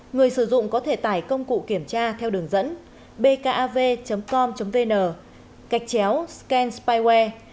người sử dụng có thể tải công cụ kiểm tra theo đường dẫn bkav com vn gạch chéo scan spireware